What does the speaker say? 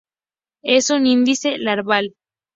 Es un índice larval.